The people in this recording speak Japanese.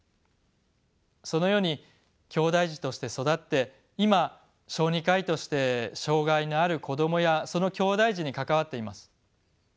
そのようにきょうだい児として育って今小児科医として障がいのある子どもやそのきょうだい児に関わっています。